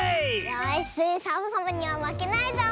よしサボさんにはまけないぞ！